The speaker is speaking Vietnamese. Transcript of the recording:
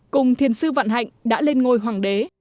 cùng thiền sư vạn hạnh đã lên ngôi hoàng đế